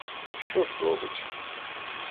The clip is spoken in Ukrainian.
Ну, що ж робить!